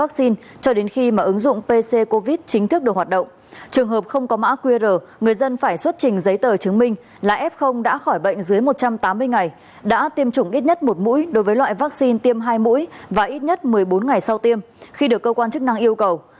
trường hợp không có mã qr người dân phải xuất trình giấy tờ chứng minh là f đã khỏi bệnh dưới một trăm tám mươi ngày đã tiêm chủng ít nhất một mũi đối với loại vaccine tiêm hai mũi và ít nhất một mươi bốn ngày sau tiêm khi được cơ quan chức năng yêu cầu